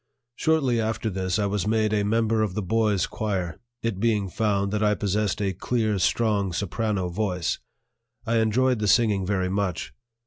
Shortly after this I was made a member of the boys' choir, it being found that I possessed a clear, strong soprano voice. I enjoyed the singing very much.